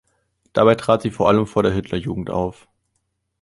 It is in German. Dabei trat sie vor allem vor der Hitler-Jugend auf.